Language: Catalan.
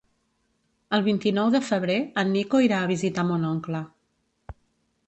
El vint-i-nou de febrer en Nico irà a visitar mon oncle.